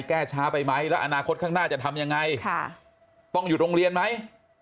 แก้ช้าไปไหมแล้วอนาคตข้างหน้าจะทำยังไงต้องอยู่โรงเรียนไหม